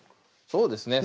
そうですね